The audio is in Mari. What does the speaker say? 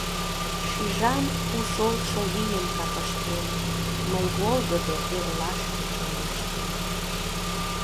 Шижам у, шолшо вийым капыштем, Мый волгыдо эрлашке чоҥештем.